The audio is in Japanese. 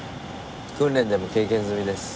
訓練でも経験済みです。